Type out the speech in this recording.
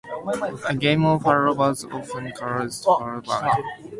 A game of faro was often called a "faro bank".